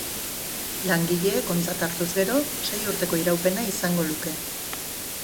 Langileek ontzat hartuz gero, sei urteko iraupena izango luke.